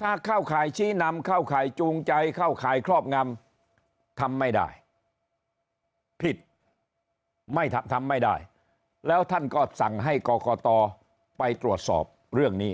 ถ้าเข้าข่ายชี้นำเข้าข่ายจูงใจเข้าข่ายครอบงำทำไม่ได้ผิดไม่ทำไม่ได้แล้วท่านก็สั่งให้กรกตไปตรวจสอบเรื่องนี้